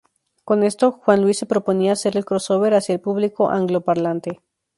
Con esto, Juan Luis se proponía hacer el 'crossover' hacia el público anglo-parlante.